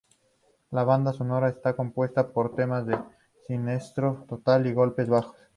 La banda sonora está compuesta por temas de "Siniestro Total" y "Golpes Bajos".